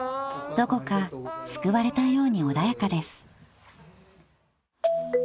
［どこか救われたように穏やかです］